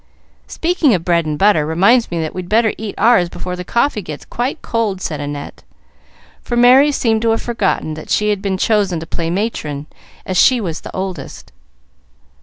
"Speaking of bread and butter reminds me that we'd better eat ours before the coffee gets quite cold," said Annette, for Merry seemed to have forgotten that she had been chosen to play matron, as she was the oldest.